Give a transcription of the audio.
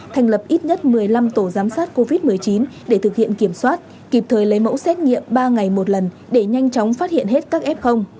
thành lập ít nhất một mươi năm tổ giám sát covid một mươi chín để thực hiện kiểm soát kịp thời lấy mẫu xét nghiệm ba ngày một lần để nhanh chóng phát hiện hết các f